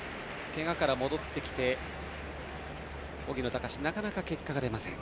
けがから戻ってきて荻野貴司はなかなか結果が出ません。